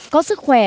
có sức khỏe